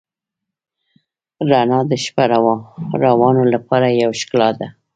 رڼا د شپهروانو لپاره یوه ښکلا ده.